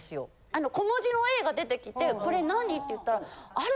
あの小文字の「ａ」が出てきて「これ何？」って言ったら。